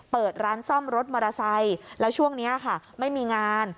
เปิดร้านซ่อมรถมอเตอร์ไซค์แล้วช่วงนี้ค่ะไม่มีงาน